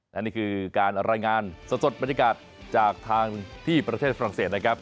และนี่คือการรายงานสดบรรยากาศจากทางที่ประเทศฝรั่งเศสนะครับ